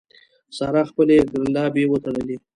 سارا خپلې ګرالبې وتړلې.